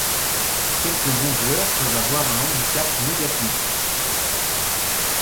Quelques bons joueurs peuvent avoir un handicap négatif.